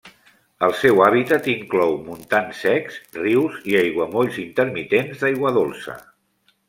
El seu hàbitat inclou montans secs, rius i aiguamolls intermitents d'aigua dolça.